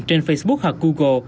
trên facebook hoặc google